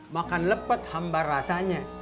makan lepet hambar rasanya